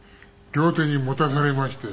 両手に持たされまして。